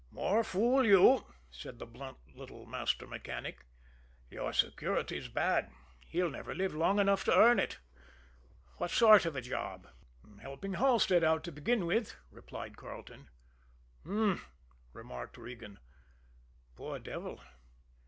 "More fool you!" said the blunt little master mechanic. "Your security's bad he'll never live long enough to earn it. What sort of a job?" "Helping Halstead out to begin with," replied Carleton. "H'm!" remarked Regan. "Poor devil."